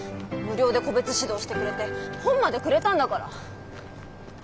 無料で個別指導してくれて本までくれたんだから。